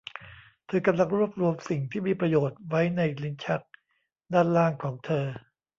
เธอกำลังรวบรวมสิ่งที่มีประโยชน์ไว้ในลิ้นชักด้านล่างของเธอ